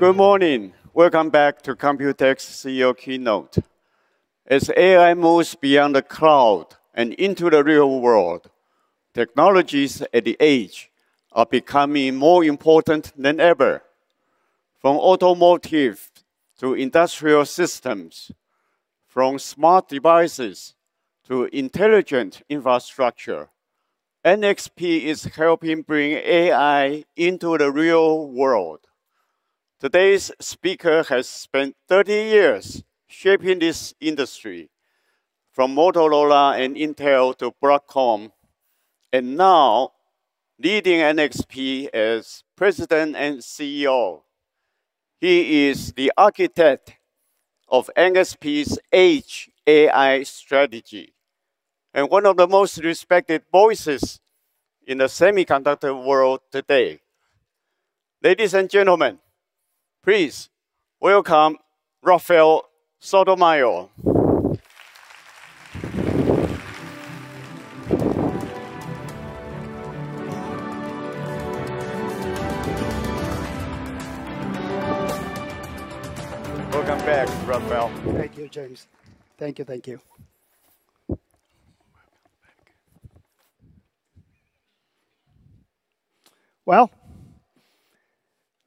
Good morning. Welcome back to COMPUTEX CEO Keynote. As AI moves beyond the cloud and into the real world, technologies at the edge are becoming more important than ever. From automotive to industrial systems, from smart devices to intelligent infrastructure, NXP is helping bring AI into the real world. Today's speaker has spent 30 years shaping this industry, from Motorola and Intel to Broadcom, and now leading NXP as President and CEO. He is the architect of NXP's Edge AI strategy and one of the most respected voices in the semiconductor world today. Ladies and gentlemen, please welcome Rafael Sotomayor. Welcome back, Rafael. Thank you, James. Thank you. Well,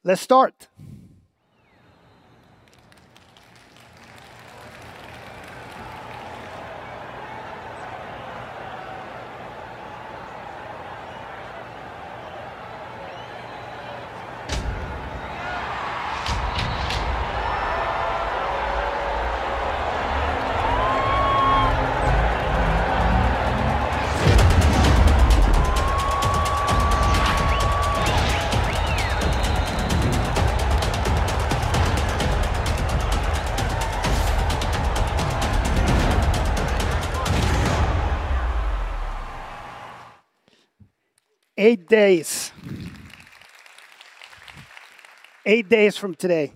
let's start. Eight days. Eight days from today,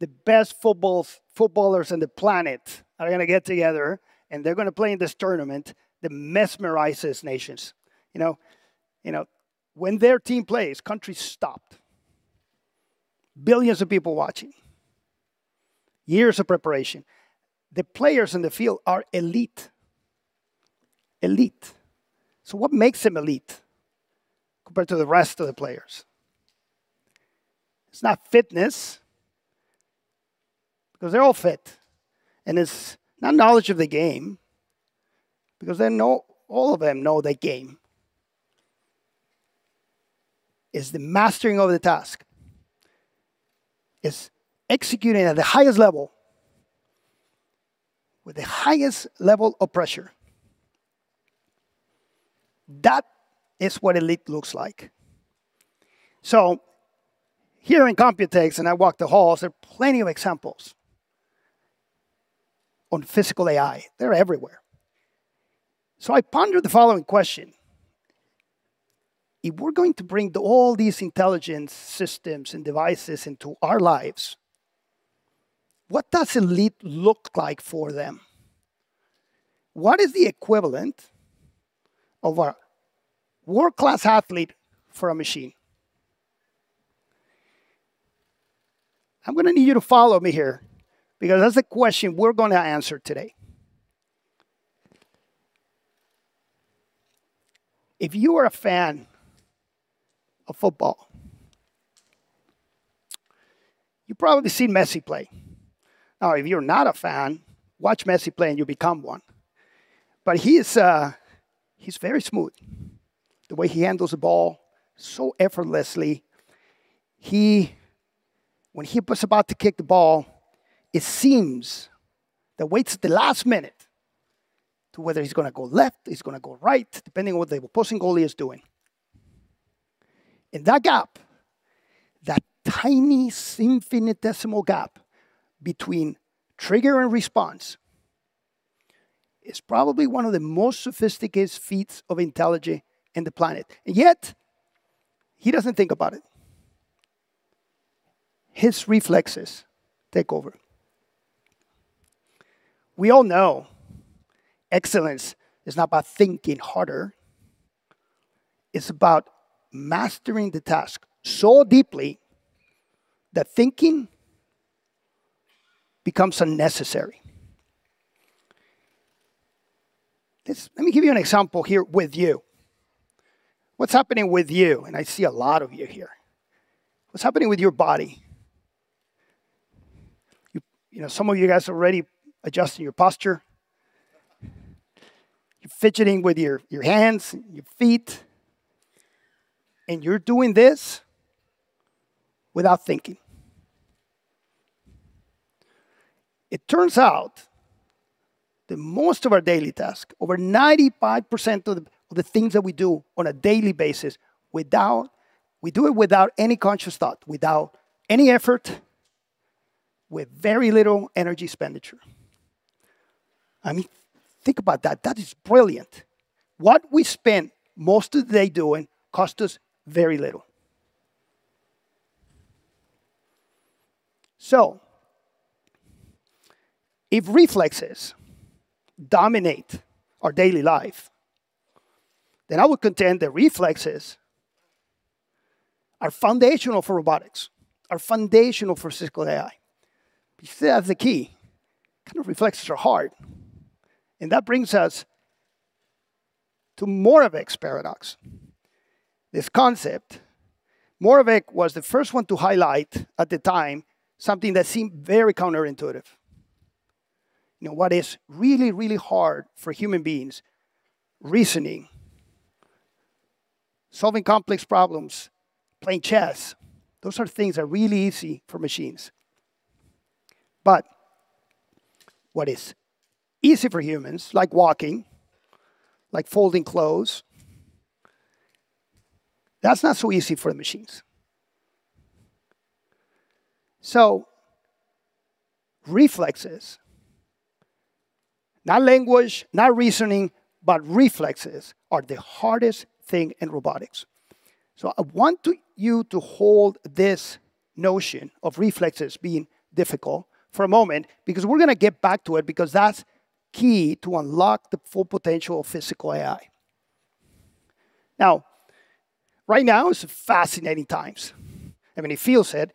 the best footballers on the planet are going to get together, and they're going to play in this tournament that mesmerizes nations. When their team plays, countries stop. Billions of people watching. Years of preparation. The players on the field are elite. What makes them elite compared to the rest of the players? It's not fitness, because they're all fit, and it's not knowledge of the game, because all of them know the game. It's the mastering of the task. It's executing at the highest level with the highest level of pressure. That is what elite looks like. Here in COMPUTEX, and I walk the halls, there are plenty of examples on physical AI. They're everywhere. I ponder the following question: If we're going to bring all these intelligence systems and devices into our lives, what does elite look like for them? What is the equivalent of a world-class athlete for a machine? I'm going to need you to follow me here, because that's a question we're going to answer today. If you are a fan of football, you've probably seen Messi play. Now, if you're not a fan, watch Messi play and you become one. He's very smooth, the way he handles the ball so effortlessly. When he was about to kick the ball, it seems that waits at the last minute to whether he's going to go left, he's going to go right, depending on what the opposing goalie is doing. In that gap, that tiny, infinitesimal gap between trigger and response, is probably one of the most sophisticated feats of intelligence on the planet, and yet he doesn't think about it. His reflexes take over. We all know excellence is not about thinking harder. It's about mastering the task so deeply that thinking becomes unnecessary. Let me give you an example here with you. What's happening with you, and I see a lot of you here. What's happening with your body? Some of you guys are already adjusting your posture. You're fidgeting with your hands, your feet, and you're doing this without thinking. It turns out that most of our daily tasks, over 95% of the things that we do on a daily basis, we do it without any conscious thought, without any effort, with very little energy expenditure. Think about that. That is brilliant. What we spend most of the day doing costs us very little. If reflexes dominate our daily life, then I would contend that reflexes are foundational for robotics, are foundational for physical AI. That's the key. Reflexes are hard, that brings us to Moravec's paradox. This concept, Moravec was the first one to highlight at the time, something that seemed very counterintuitive. What is really, really hard for human beings, reasoning, solving complex problems, playing chess, those are things that are really easy for machines. What is easy for humans, like walking, like folding clothes, that's not so easy for machines. Reflexes, not language, not reasoning, but reflexes are the hardest thing in robotics. I want you to hold this notion of reflexes being difficult for a moment, because we're going to get back to it, because that's key to unlock the full potential of physical AI. Right now is fascinating times. It feels it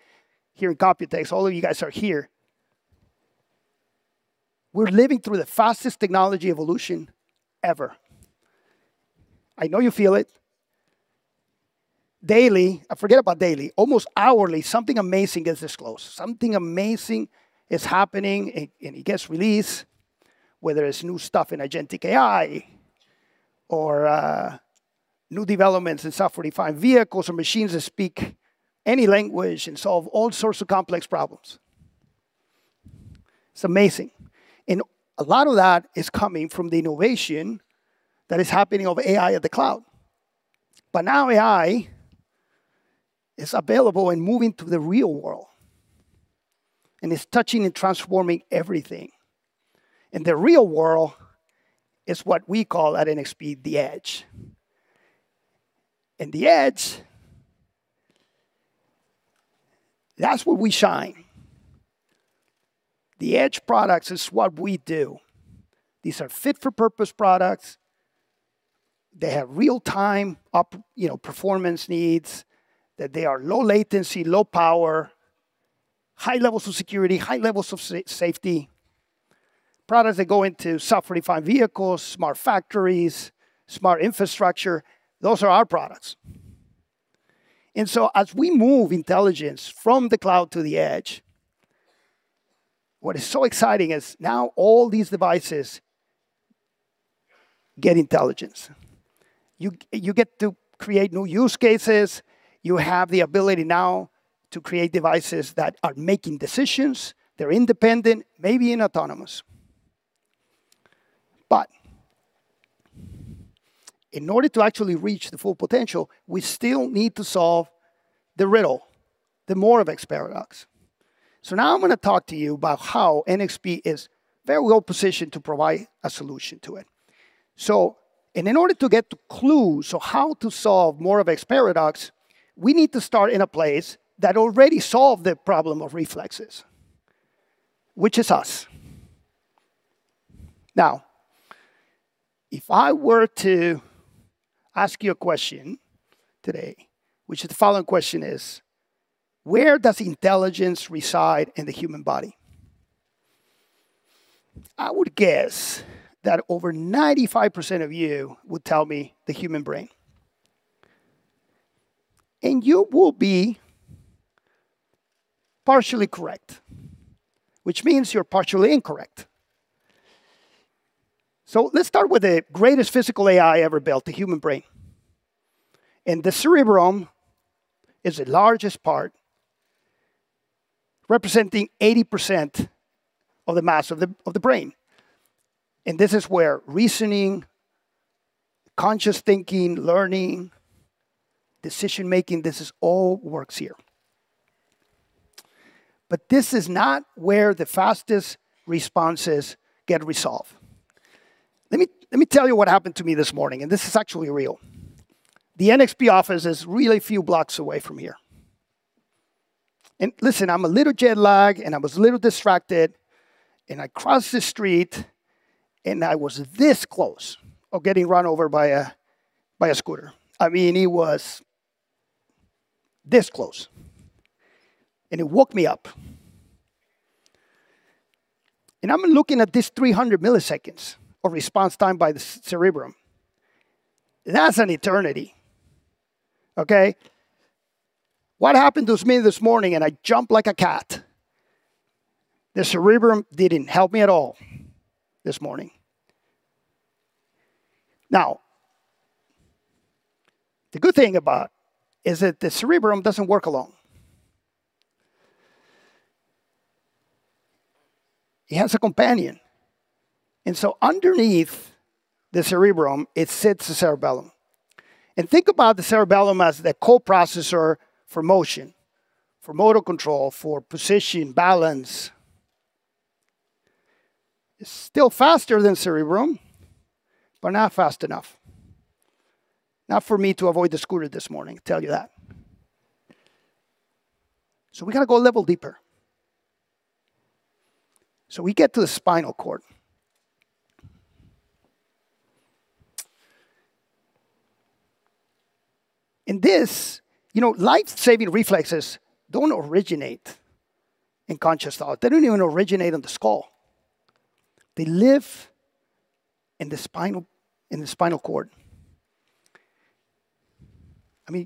here in COMPUTEX. All of you guys are here. We're living through the fastest technology evolution ever. I know you feel it. Daily, forget about daily, almost hourly, something amazing gets disclosed. Something amazing is happening, and it gets released, whether it's new stuff in agentic AI or new developments in software-defined vehicles or machines that speak any language and solve all sorts of complex problems. It's amazing, and a lot of that is coming from the innovation that is happening of AI at the cloud. Now AI is available and moving to the real world, and it's touching and transforming everything. The real world is what we call at NXP, the Edge. The Edge, that's where we shine. The Edge products is what we do. These are fit-for-purpose products. They have real-time performance needs, that they are low latency, low power, high levels of security, high levels of safety, products that go into software-defined vehicles, smart factories, smart infrastructure. Those are our products. As we move intelligence from the cloud to the Edge, what is so exciting is now all these devices get intelligence. You get to create new use cases. You have the ability now to create devices that are making decisions. They're independent, maybe even autonomous. In order to actually reach the full potential, we still need to solve the riddle, the Moravec's paradox. Now I'm going to talk to you about how NXP is very well positioned to provide a solution to it. In order to get clues on how to solve Moravec's paradox, we need to start in a place that already solved the problem of reflexes, which is us. Now, if I were to ask you a question today, which the following question is, where does intelligence reside in the human body? I would guess that over 95% of you would tell me the human brain. You will be partially correct, which means you're partially incorrect. Let's start with the greatest physical AI ever built, the human brain. The cerebrum is the largest part, representing 80% of the mass of the brain. This is where reasoning, conscious thinking, learning, decision-making, this all works here. This is not where the fastest responses get resolved. Let me tell you what happened to me this morning, and this is actually real. The NXP office is really a few blocks away from here. Listen, I'm a little jet lagged, I was a little distracted, I crossed the street, I was this close of getting run over by a scooter. It was this close, and it woke me up. I'm looking at this 300 milliseconds of response time by the cerebrum. That's an eternity, okay? What happened to me this morning, and I jumped like a cat. The cerebrum didn't help me at all this morning. Now, the good thing about is that the cerebrum doesn't work alone. It has a companion. Underneath the cerebrum, it sits the cerebellum. Think about the cerebellum as the co-processor for motion, for motor control, for position, balance. It's still faster than cerebrum, but not fast enough. Not for me to avoid the scooter this morning, tell you that. We got to go a level deeper. We get to the spinal cord. This, life-saving reflexes don't originate in conscious thought. They don't even originate in the skull. They live in the spinal cord.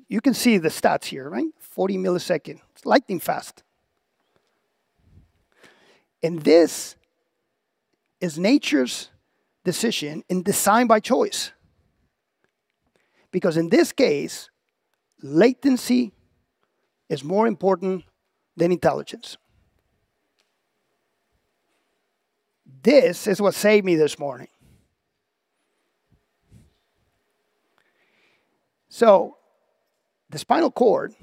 You can see the stats here. 40 milliseconds. It's lightning fast. This is nature's decision and design by choice. Because in this case, latency is more important than intelligence. This is what saved me this morning. The spinal cord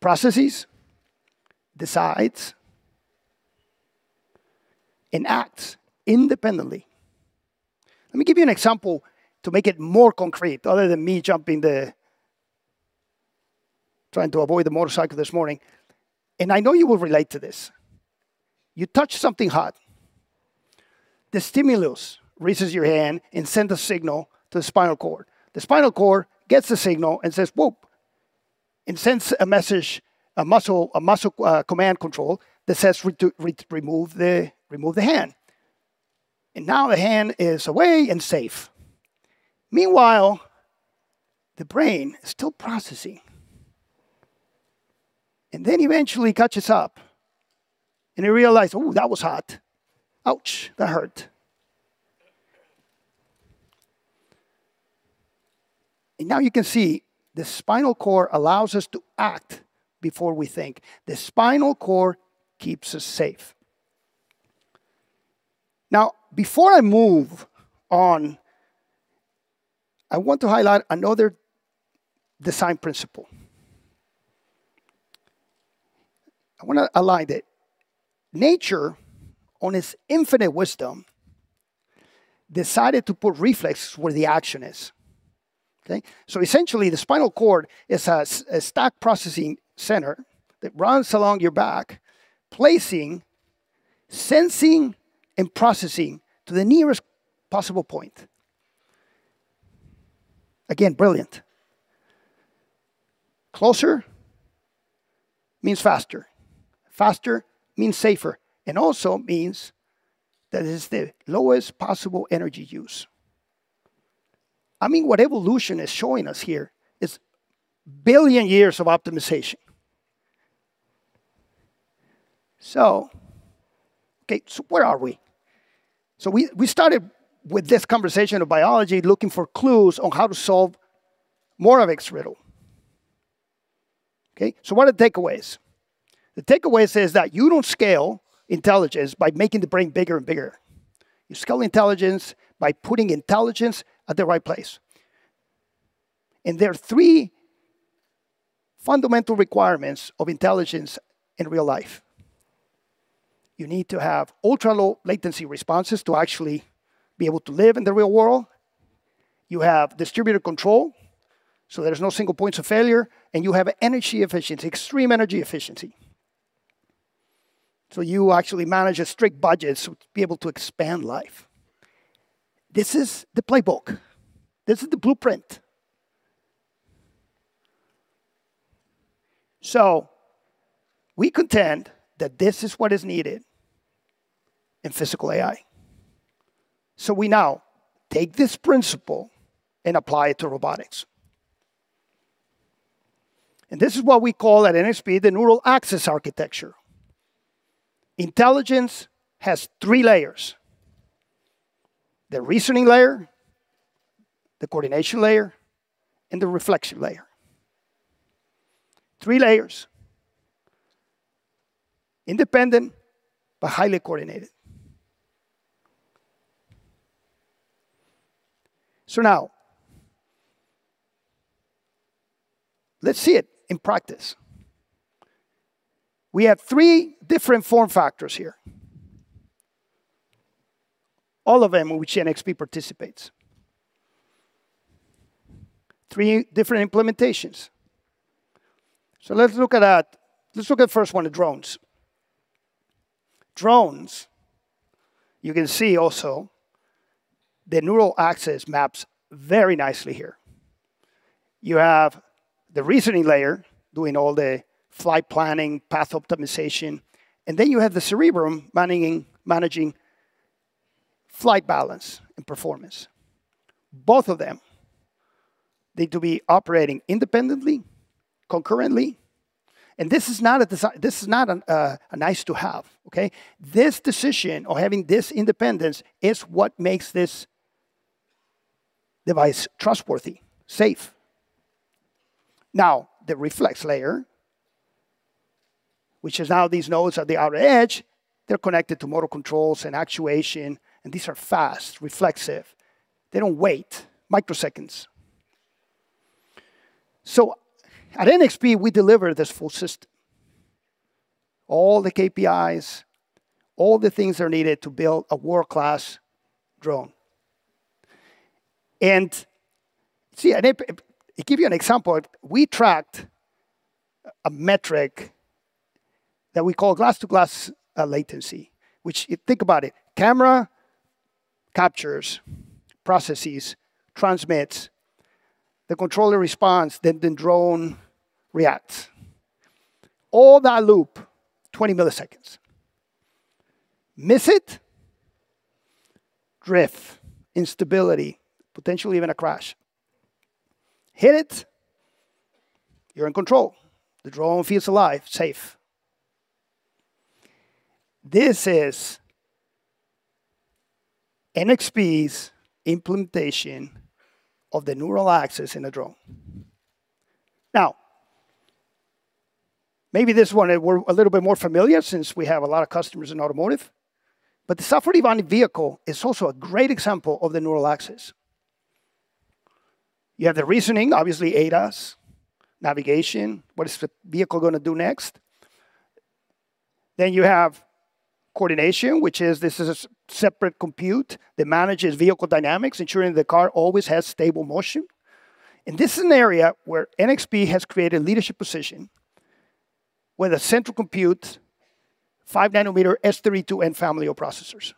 processes, decides, and acts independently. Let me give you an example to make it more concrete other than me trying to avoid the motorcycle this morning, and I know you will relate to this. You touch something hot. The stimulus reaches your hand and sends a signal to the spinal cord. The spinal cord gets the signal and says, whoop, and sends a muscle command control that says, remove the hand. Now the hand is away and safe. Meanwhile, the brain is still processing. Then eventually catches up, and you realize, ooh, that was hot. Ouch, that hurt. Now you can see the spinal cord allows us to act before we think. The spinal cord keeps us safe. Now, before I move on, I want to highlight another design principle. I want to highlight it. Nature, on its infinite wisdom, decided to put reflexes where the action is. Okay? Essentially, the spinal cord is a stack processing center that runs along your back, placing, sensing, and processing to the nearest possible point. Again, brilliant. Closer means faster means safer, and also means that it's the lowest possible energy use. What evolution is showing us here is billion years of optimization. Okay, where are we? We started with this conversation of biology, looking for clues on how to solve Moravec's riddle. Okay, what are the takeaways? The takeaway says that you don't scale intelligence by making the brain bigger and bigger. You scale intelligence by putting intelligence at the right place. There are three fundamental requirements of intelligence in real life. You need to have ultra-low latency responses to actually be able to live in the real world. You have distributed control, so there's no single points of failure, and you have energy efficiency, extreme energy efficiency. You actually manage a strict budget to be able to expand life. This is the playbook. This is the blueprint. We contend that this is what is needed in physical AI. We now take this principle and apply it to robotics. This is what we call at NXP, the neural axis architecture. Intelligence has three layers: the reasoning layer, the coordination layer, and the reflection layer. Three layers, independent but highly coordinated. Now, let's see it in practice. We have three different form factors here. All of them, which NXP participates. Three different implementations. Let's look at first one, the drones. Drones, you can see also the neural axis maps very nicely here. You have the reasoning layer doing all the flight planning, path optimization, and then you have the cerebrum managing flight balance and performance. Both of them need to be operating independently, concurrently. This is not a nice to have, okay? This decision of having this independence is what makes this device trustworthy, safe. The reflex layer, which is now these nodes at the outer edge, they're connected to motor controls and actuation, and these are fast, reflexive. They don't wait. Microseconds. At NXP, we deliver this full system. All the KPIs, all the things that are needed to build a world-class drone. See, I give you an example. We tracked a metric that we call glass-to-glass latency, which if you think about it, camera captures, processes, transmits, the controller responds, then drone reacts. All that loop, 20 milliseconds. Miss it, drift, instability, potentially even a crash. Hit it, you're in control. The drone feels alive, safe. This is NXP's implementation of the neural axis in a drone. Maybe this one we're a little bit more familiar since we have a lot of customers in automotive, the self-driving vehicle is also a great example of the neural axis. You have the reasoning, obviously ADAS, navigation, what is the vehicle going to do next? You have coordination, which is this is a separate compute that manages vehicle dynamics, ensuring the car always has stable motion. This is an area where NXP has created a leadership position with a central compute 5-nm S32N family of processors.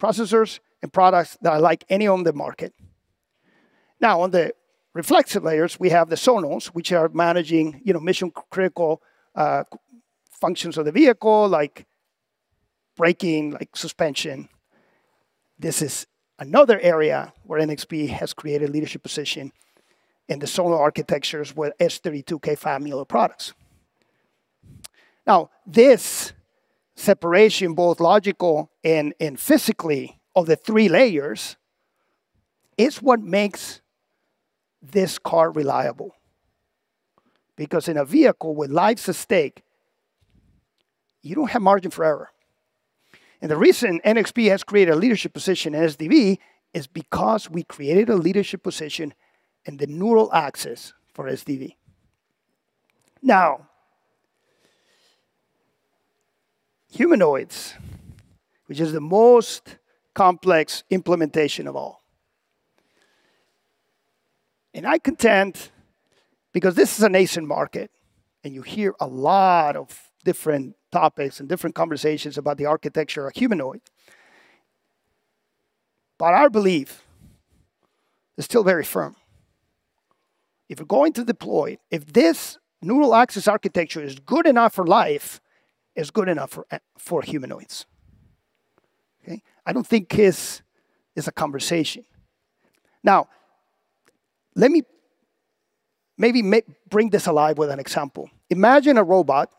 Processors and products that are like any on the market. Now, on the reflexive layers, we have the zonal, which are managing mission critical functions of the vehicle like braking, like suspension. This is another area where NXP has created a leadership position in the zonal architectures with S32K family of products. Now, this separation, both logical and physically of the three layers is what makes this car reliable. In a vehicle with lives at stake, you don't have margin for error. The reason NXP has created a leadership position in SDV is because we created a leadership position in the neural axis for SDV. Humanoids, which is the most complex implementation of all. I contend, because this is a nascent market, and you hear a lot of different topics and different conversations about the architecture of humanoid, but our belief is still very firm. If you're going to deploy, if this neural axis architecture is good enough for life, it's good enough for humanoids. Okay? I don't think this is a conversation. Let me maybe bring this alive with an example. Imagine a robot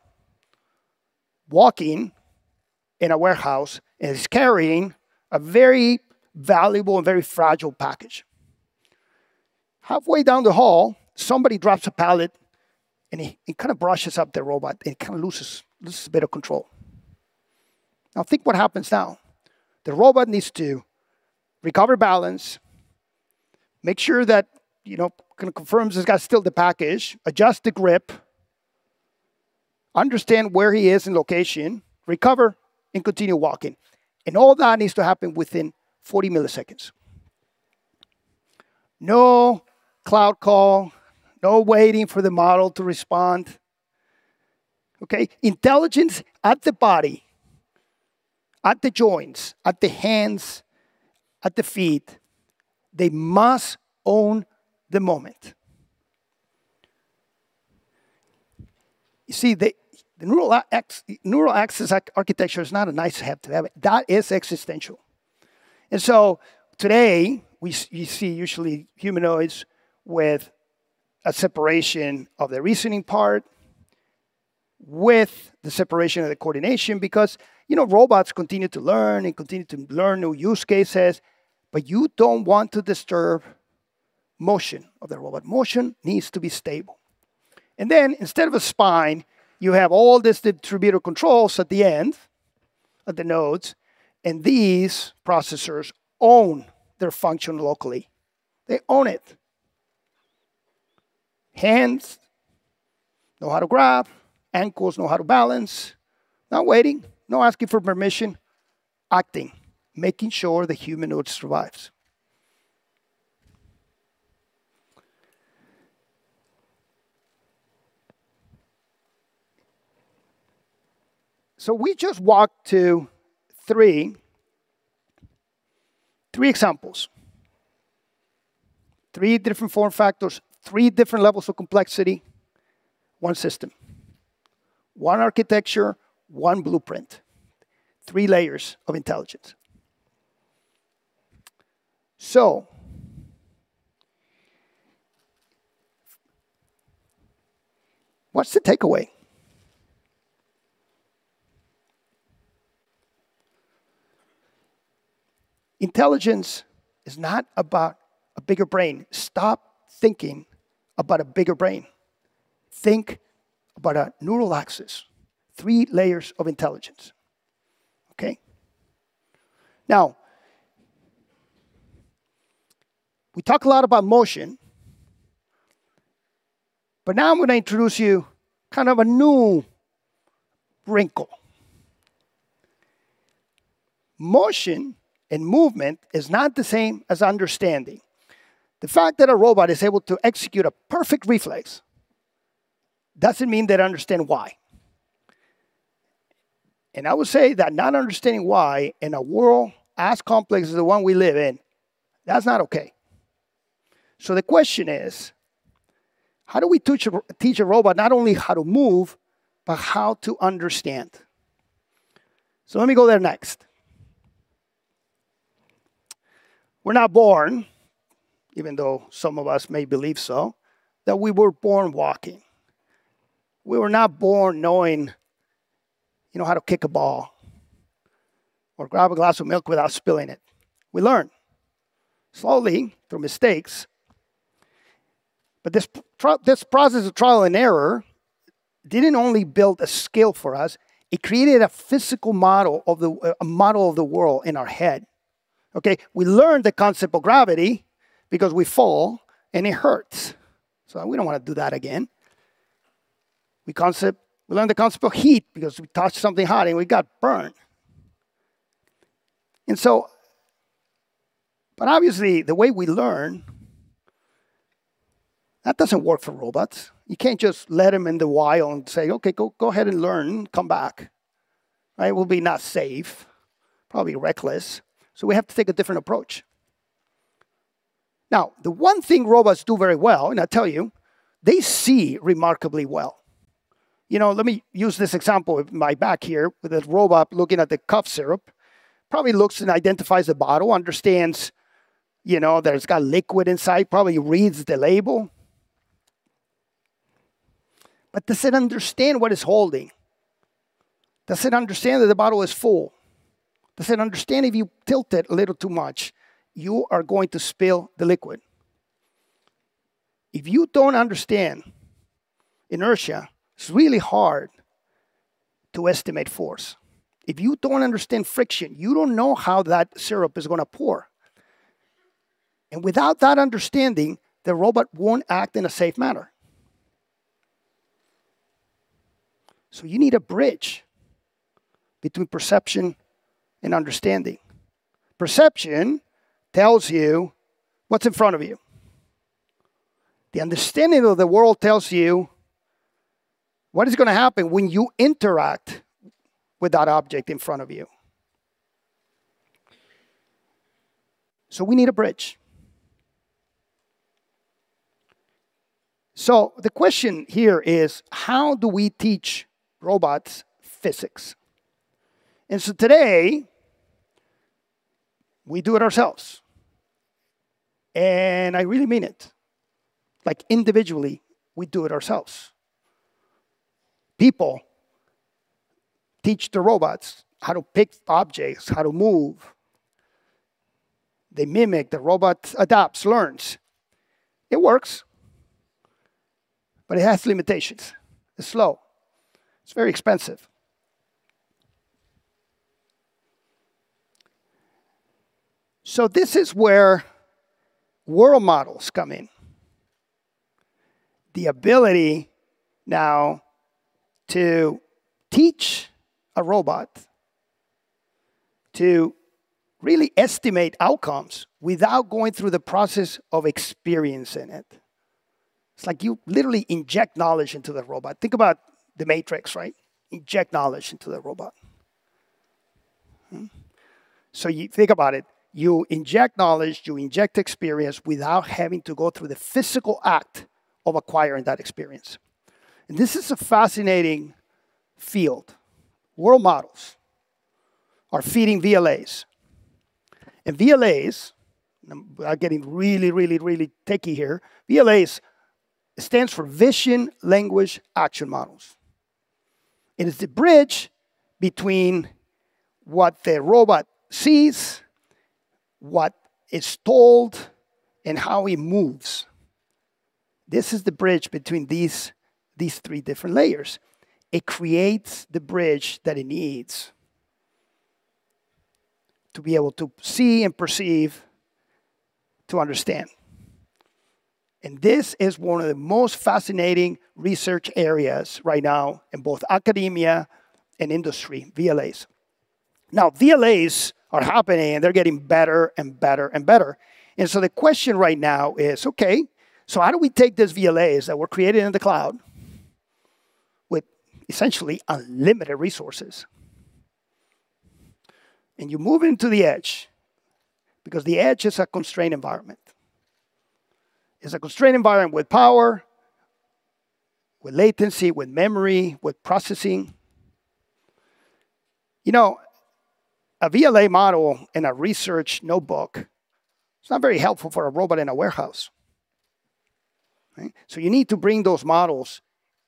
walking in a warehouse, and it's carrying a very valuable and very fragile package. Halfway down the hall, somebody drops a pallet, and it kind of brushes up the robot, and it kind of loses a bit of control. Now think what happens now. The robot needs to recover balance, make sure that, confirms it's got still the package, adjust the grip, understand where he is in location, recover, and continue walking. All that needs to happen within 40 milliseconds. No cloud call, no waiting for the model to respond. Okay. Intelligence at the body, at the joints, at the hands, at the feet. They must own the moment. You see, the neural axis architecture is not a nice to have. That is existential. Today, you see usually humanoids with a separation of the reasoning part, with the separation of the coordination because robots continue to learn and continue to learn new use cases, but you don't want to disturb motion of the robot. Motion needs to be stable. Instead of a spine, you have all these distributor controls at the end, at the nodes, and these processors own their function locally. They own it. Hands know how to grab, ankles know how to balance. Not waiting, no asking for permission, acting, making sure the humanoid survives. We just walked through three examples, three different form factors, three different levels of complexity, one system. One architecture, one blueprint, three layers of intelligence. What's the takeaway? Intelligence is not about a bigger brain. Stop thinking about a bigger brain. Think about a Neural Axis. Three layers of intelligence. Okay? Now, we talk a lot about motion. Now I'm going to introduce you kind of a new wrinkle. Motion and movement is not the same as understanding. The fact that a robot is able to execute a perfect reflex doesn't mean they understand why. I would say that not understanding why in a world as complex as the one we live in, that's not okay. The question is: how do we teach a robot not only how to move, but how to understand? Let me go there next. We're not born, even though some of us may believe so, that we were born walking. We were not born knowing how to kick a ball or grab a glass of milk without spilling it. We learn, slowly through mistakes. This process of trial and error didn't only build a skill for us, it created a physical model of the world in our head. Okay? We learn the concept of gravity because we fall and it hurts, so we don't want to do that again. We learn the concept of heat because we touched something hot and we got burned. Obviously the way we learn, that doesn't work for robots. You can't just let them in the wild and say, okay, go ahead and learn. Come back. It will be not safe, probably reckless. We have to take a different approach. Now, the one thing robots do very well, and I tell you, they see remarkably well. Let me use this example of my back here with a robot looking at the cough syrup. Probably looks and identifies the bottle, understands that it's got liquid inside, probably reads the label. Does it understand what it's holding? Does it understand that the bottle is full? Does it understand if you tilt it a little too much, you are going to spill the liquid? If you don't understand inertia, it's really hard to estimate force. If you don't understand friction, you don't know how that syrup is going to pour. Without that understanding, the robot won't act in a safe manner. You need a bridge between perception and understanding. Perception tells you what's in front of you. The understanding of the world tells you what is going to happen when you interact with that object in front of you. We need a bridge. The question here is: how do we teach robots physics? Today, we do it ourselves. I really mean it. Individually, we do it ourselves. People teach the robots how to pick objects, how to move. They mimic, the robot adapts, learns. It works, but it has limitations. It's slow. It's very expensive. This is where world models come in. The ability now to teach a robot to really estimate outcomes without going through the process of experiencing it. It's like you literally inject knowledge into the robot. Think about The Matrix, right? Inject knowledge into the robot. You think about it. You inject knowledge, you inject experience without having to go through the physical act of acquiring that experience. This is a fascinating field. World models are feeding VLAs. VLAs, I'm getting really, really, really techy here. VLAs stands for Vision-Language-Action models. It is the bridge between what the robot sees, what it's told, and how it moves. This is the bridge between these three different layers. It creates the bridge that it needs to be able to see and perceive, to understand. This is one of the most fascinating research areas right now in both academia and industry, VLAs. VLAs are happening, and they're getting better and better and better. The question right now is, okay, so how do we take these VLAs that were created in the cloud with essentially unlimited resources, and you move into the edge because the edge is a constrained environment. It's a constrained environment with power, with latency, with memory, with processing. A VLA model in a research notebook, it's not very helpful for a robot in a warehouse, right? You need to bring those models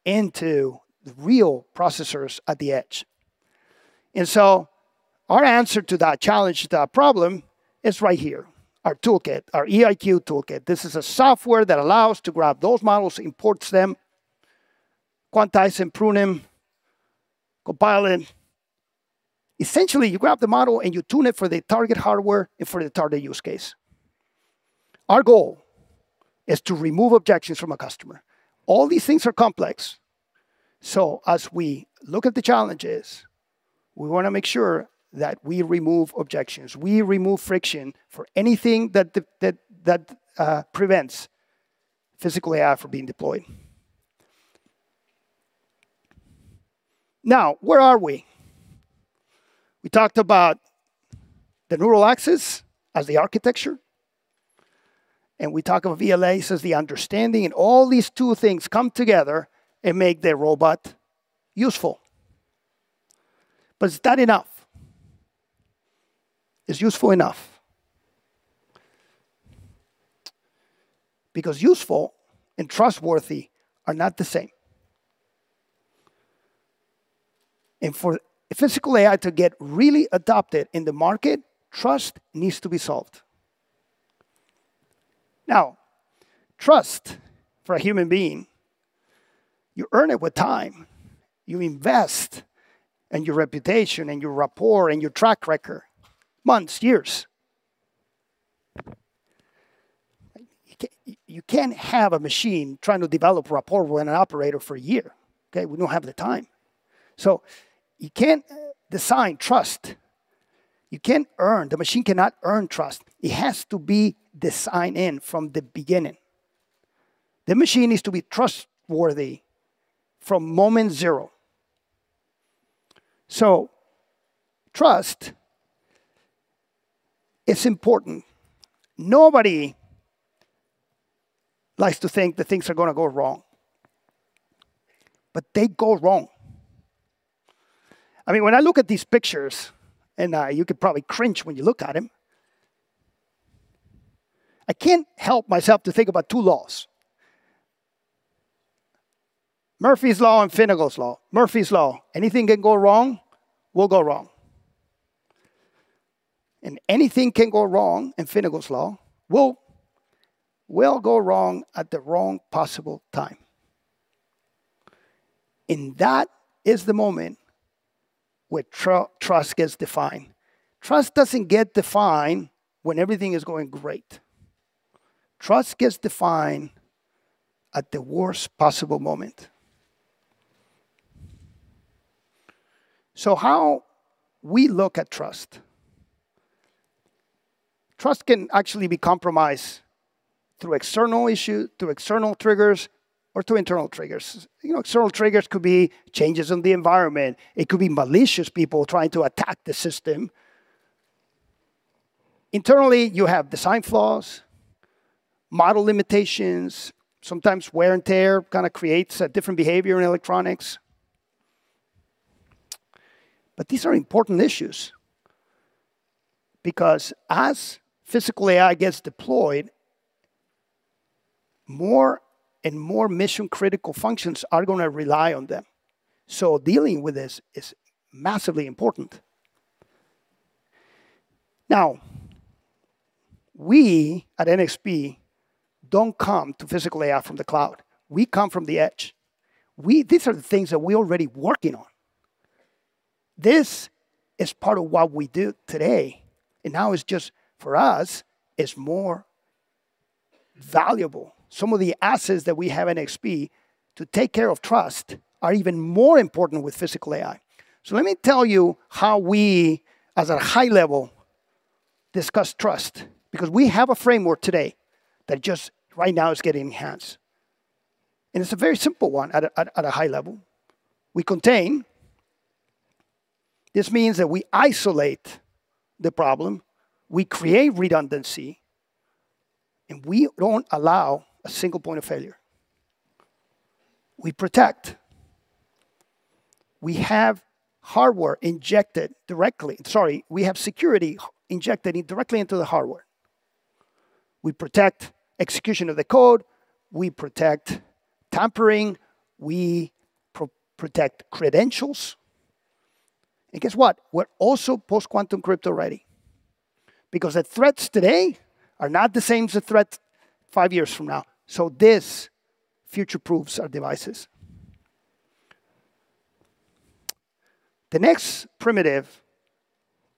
into the real processors at the edge. Our answer to that challenge, to that problem is right here, our toolkit, our eIQ Toolkit. This is a software that allows to grab those models, imports them, quantize and prune them, compile them. Essentially, you grab the model and you tune it for the target hardware and for the target use case. Our goal is to remove objections from a customer. All these things are complex, so as we look at the challenges, we want to make sure that we remove objections, we remove friction for anything that prevents physical AI from being deployed. Where are we? We talked about the neural axis as the architecture, and we talk of VLA as the understanding, and all these two things come together and make the robot useful. Is that enough? Is useful enough? Useful and trustworthy are not the same. For physical AI to get really adopted in the market, trust needs to be solved. Trust for a human being, you earn it with time. You invest in your reputation and your rapport and your track record, months, years. You can't have a machine trying to develop rapport with an operator for a year, okay? We don't have the time. You can't design trust. You can't earn, the machine cannot earn trust. It has to be designed in from the beginning. The machine needs to be trustworthy from moment zero. Trust, it's important. Nobody likes to think that things are going to go wrong, but they go wrong. When I look at these pictures, and you could probably cringe when you look at them, I can't help myself to think about two laws, Murphy's Law and Finagle's Law. Murphy's Law, anything that can go wrong, will go wrong. Anything can go wrong in Finagle's Law will go wrong at the wrong possible time. That is the moment where trust gets defined. Trust doesn't get defined when everything is going great. Trust gets defined at the worst possible moment. How we look at trust. Trust can actually be compromised through external issues, through external triggers, or through internal triggers. External triggers could be changes in the environment. It could be malicious people trying to attack the system. Internally, you have design flaws, model limitations, sometimes wear and tear creates a different behavior in electronics. These are important issues because as Physical AI gets deployed, more and more mission-critical functions are going to rely on them. Dealing with this is massively important. Now, we at NXP don't come to Physical AI from the cloud. We come from the edge. These are the things that we're already working on. This is part of what we do today, and now it's just, for us, it's more valuable. Some of the assets that we have at NXP to take care of trust are even more important with Physical AI. Let me tell you how we, as a high level, discuss trust, because we have a framework today that just right now is getting enhanced. It's a very simple one at a high level. We contain. This means that we isolate the problem. We create redundancy, and we don't allow a single point of failure. We protect. We have hardware injected directly. We have security injected directly into the hardware. We protect execution of the code. We protect tampering. We protect credentials. Guess what. We're also post-quantum crypto ready because the threats today are not the same as the threats five years from now. This future-proofs our devices. The next primitive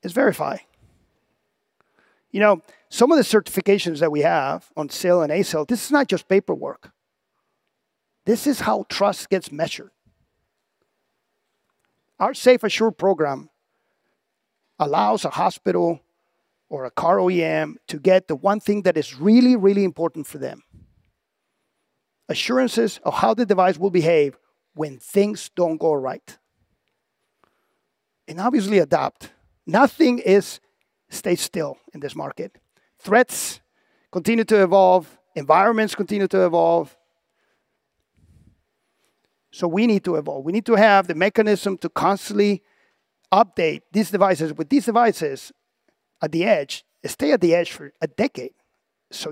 is verify. Some of the certifications that we have on SIL and ASIL, this is not just paperwork. This is how trust gets measured. Our SafeAssure program allows a hospital or a car OEM to get the one thing that is really, really important for them. Assurances of how the device will behave when things don't go right. Obviously adapt. Nothing stays still in this market. Threats continue to evolve, environments continue to evolve. We need to evolve. We need to have the mechanism to constantly update these devices. With these devices at the edge, they stay at the edge for a decade.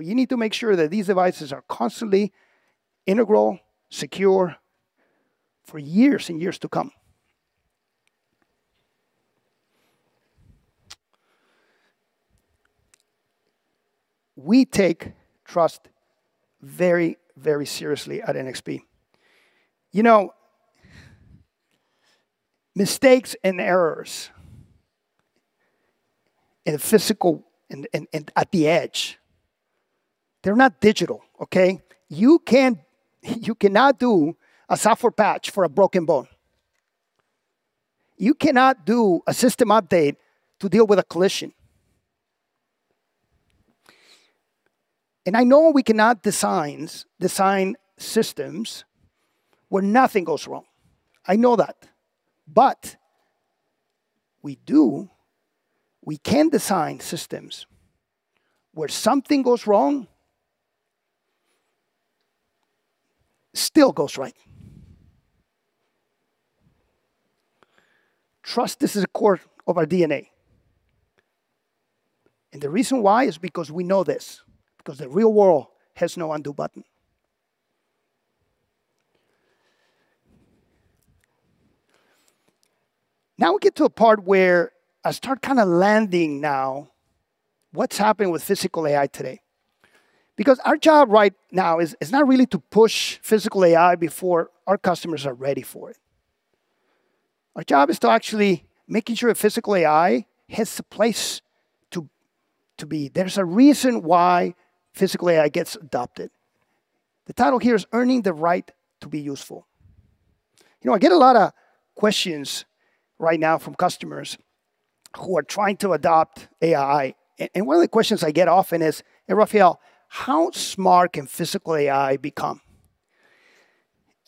You need to make sure that these devices are constantly integral, secure for years and years to come. We take trust very, very seriously at NXP. Mistakes and errors in physical and at the edge, they're not digital. You cannot do a software patch for a broken bone. You cannot do a system update to deal with a collision. I know we cannot design systems where nothing goes wrong. I know that. We can design systems where something goes wrong, still goes right. Trust is at the core of our DNA. The reason why is because we know this, because the real world has no undo button. We get to a part where I start landing now what's happening with physical AI today. Our job right now is not really to push physical AI before our customers are ready for it. Our job is to actually making sure that physical AI has a place to be. There's a reason why physical AI gets adopted. The title here is Earning the Right to be Useful. I get a lot of questions right now from customers who are trying to adopt AI. One of the questions I get often is, hey, Rafael, how smart can physical AI become?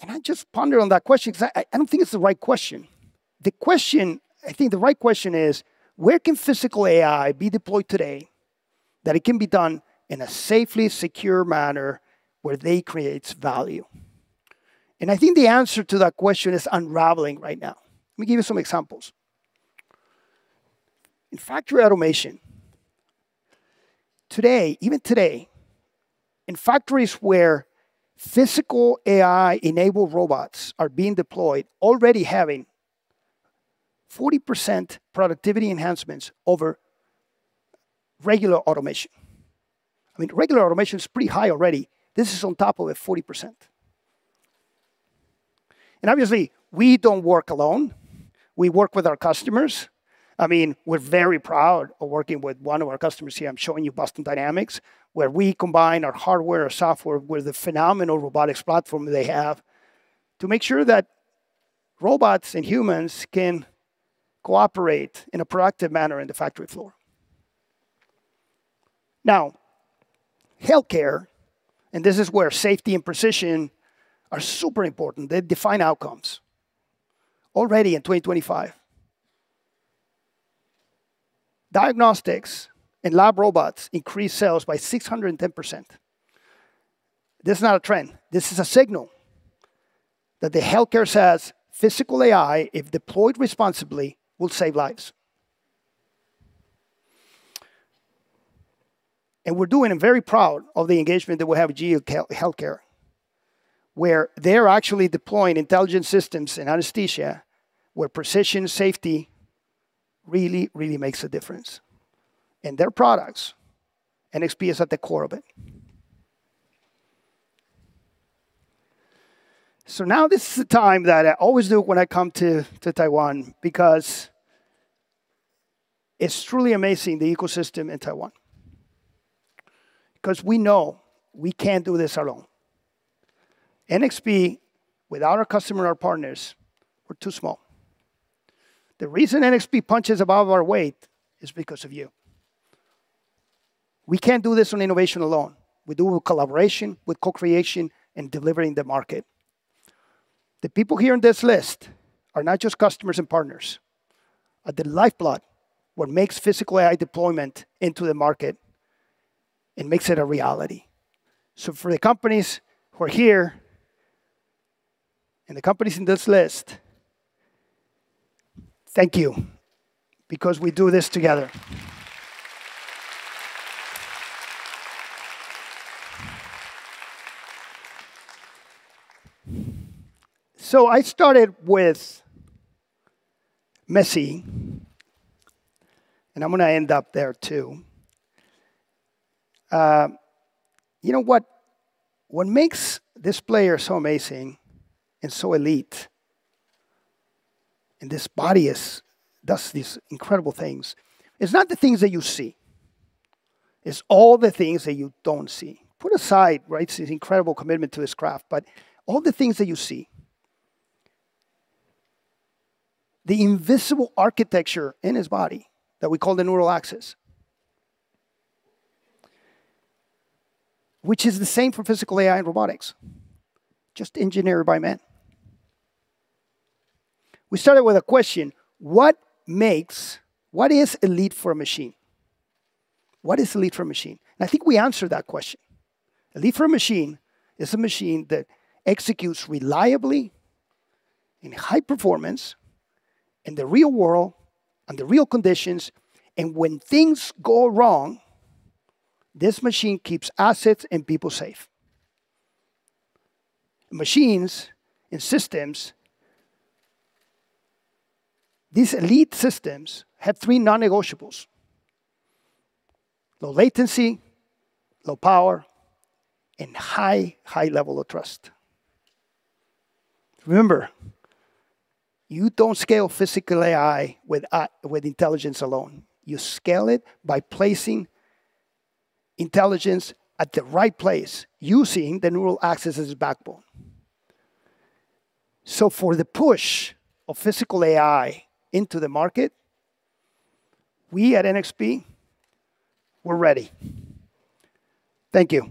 I just ponder on that question because I don't think it's the right question. I think the right question is, where can physical AI be deployed today, that it can be done in a safely secure manner where they create value? I think the answer to that question is unraveling right now. Let me give you some examples. In factory automation, even today, in factories where physical AI-enabled robots are being deployed, already having 40% productivity enhancements over regular automation. Regular automation is pretty high already. This is on top of it, 40%. Obviously, we don't work alone. We work with our customers. We're very proud of working with one of our customers here. I'm showing you Boston Dynamics, where we combine our hardware or software with the phenomenal robotics platform they have to make sure that robots and humans can cooperate in a productive manner in the factory floor. Now, healthcare, and this is where safety and precision are super important. They define outcomes. Already in 2025, diagnostics and lab robots increased sales by 610%. This is not a trend. This is a signal that the healthcare says physical AI, if deployed responsibly, will save lives. We're doing and very proud of the engagement that we have with GE HealthCare, where they're actually deploying intelligence systems in anesthesia, where precision safety really makes a difference. In their products, NXP is at the core of it. Now this is the time that I always do when I come to Taiwan, because it's truly amazing, the ecosystem in Taiwan. We know we can't do this alone. NXP, without our customer and our partners, we're too small. The reason NXP punches above our weight is because of you. We can't do this on innovation alone. We do collaboration with co-creation and delivering the market. The people here on this list are not just customers and partners, are the lifeblood what makes physical AI deployment into the market and makes it a reality. For the companies who are here and the companies in this list, thank you, because we do this together. I started with Messi, and I'm going to end up there, too. What makes this player so amazing and so elite and this body does these incredible things, it's not the things that you see. It's all the things that you don't see. Put aside his incredible commitment to his craft, but all the things that you see, the invisible architecture in his body that we call the neural axis, which is the same for physical AI and robotics, just engineered by man. We started with a question, what is elite for a machine? I think we answered that question. Elite for a machine is a machine that executes reliably in high performance in the real world and the real conditions, and when things go wrong, this machine keeps assets and people safe. Machines and systems, these elite systems have three non-negotiables: low latency, low power, and high, high level of trust. Remember, you don't scale physical AI with intelligence alone. You scale it by placing intelligence at the right place using the neural axis as its backbone. For the push of physical AI into the market, we at NXP, we're ready. Thank you.